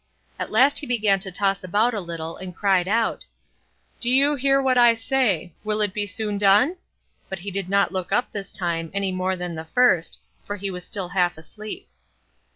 At last he began to toss about a little, and cried out: "Do you hear what I say; will it be soon done?" but he did not look up this time, any more than the first, for he was still half asleep.